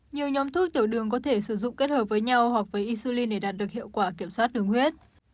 nhiều nhóm thuốc tiểu đường có thể sử dụng kết hợp với nhau hoặc với isulin để đạt được hiệu quả kiểm soát đường huyết